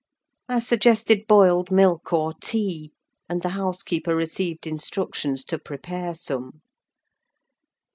I suggested boiled milk or tea; and the housekeeper received instructions to prepare some.